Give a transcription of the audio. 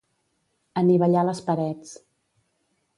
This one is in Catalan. Anivellar les parets.